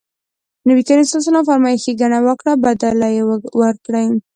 نبي کريم ص وفرمایل ښېګڼه وکړه بدله يې ورکړئ.